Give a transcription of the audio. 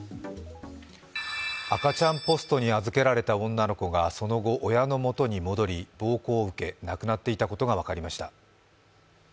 赤ちゃんポストに預けられた女の子がその後、親のもとに戻り暴行を受け亡くなっていたことが分かりました。